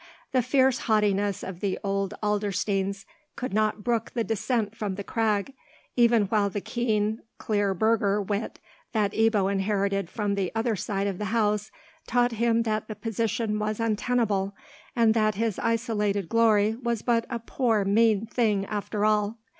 The fierce haughtiness of the old Adlersteins could not brook the descent from the crag, even while the keen, clear burgher wit that Ebbo inherited from the other side of the house taught him that the position was untenable, and that his isolated glory was but a poor mean thing after all.